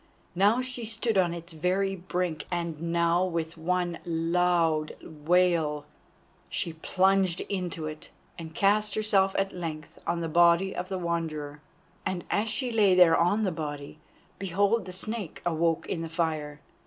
Now she stood on its very brink, and now with one loud wail she plunged into it and cast herself at length on the body of the Wanderer. And as she lay there on the body, behold the Snake awoke in the fire.